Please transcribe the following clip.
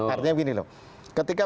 artinya begini loh ketika